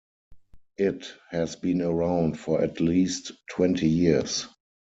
It has been around for at least twenty years.